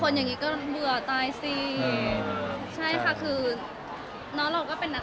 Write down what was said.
แสวได้ไงของเราก็เชียนนักอยู่ค่ะเป็นผู้ร่วมงานที่ดีมาก